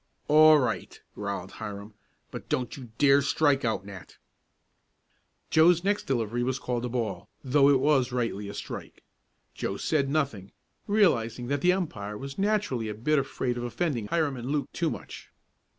"All right," growled Hiram. "But don't you dare strike out, Nat." Joe's next delivery was called a ball, though it was rightly a strike. Joe said nothing, realizing that the umpire was naturally a bit afraid of offending Hiram and Luke too much.